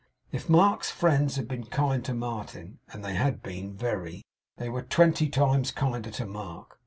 If Mark's friends had been kind to Martin (and they had been very), they were twenty times kinder to Mark.